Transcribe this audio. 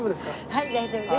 はい大丈夫です。